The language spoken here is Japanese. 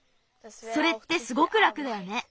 それってすごくらくだよね。